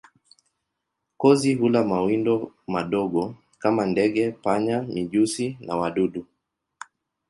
Kozi hula mawindo madogo kama ndege, panya, mijusi na wadudu.